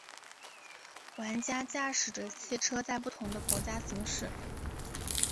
玩家驾驶着汽车在不同的国家行驶。